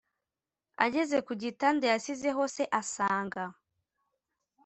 ageze kugitanda yasizeho se asanga.